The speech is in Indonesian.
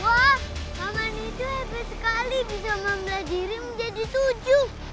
wah kaman itu hebat sekali bisa membelah diri menjadi tujuh